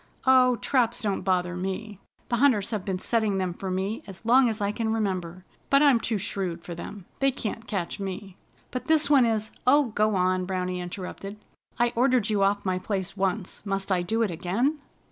"Oh, traps don't bother me. The Hunters have been setting them for me as long as I can remember. But I'm too shrewd for them. They can't catch me." "But this one is " "Oh, go on!" Browny interrupted. "I ordered you off my place once. Must I do it again?"